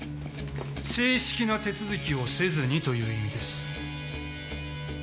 正式な手続きをせずにという意味です。